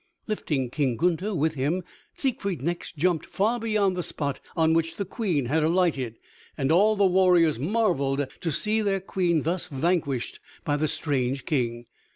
Lifting King Gunther with him Siegfried next jumped far beyond the spot on which the Queen had alighted. And all the warriors marveled to see their Queen thus vanquished by the strange King.